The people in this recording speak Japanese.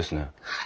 はい。